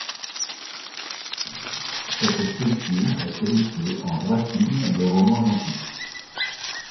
Cette structure est héritée en droite ligne des romans antiques.